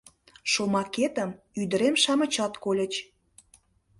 Шомакетым ӱдырем-шамычат кольыч.